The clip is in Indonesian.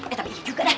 eh tapi iya juga deh